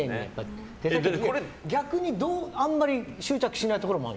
逆にあんまり執着しないところもある？